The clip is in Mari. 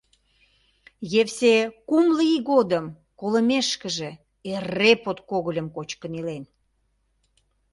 Евсе кумло ий годым, колымешкыже, эре подкогыльым кочкын илен.